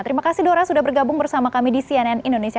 terima kasih dora sudah bergabung bersama kami di cnn indonesia